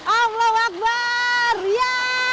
allah akbar ya